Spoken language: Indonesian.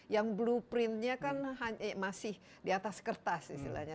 yang blueprintnya kan masih di atas kertas istilahnya